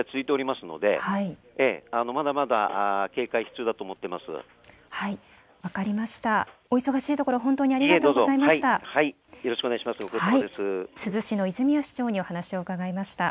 お忙しいところ本当にありがとうございました。